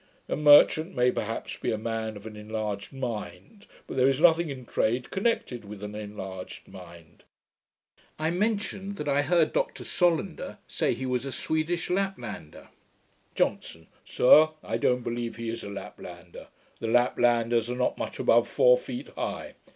A merchant may, perhaps, be a man of an enlarged mind; but there is nothing in trade connected with an enlarged mind.' I mentioned that I heard Dr Solander say he was a Swedish Laplander. JOHNSON. 'Sir, I don't believe he is a Laplander. The Laplanders are not much above four feet high.